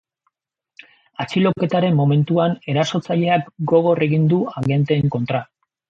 Atxiloketaren momentuan, erasotzaileak gogor egin du agenteen kontra.